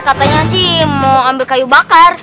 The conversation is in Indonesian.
katanya sih mau ambil kayu bakar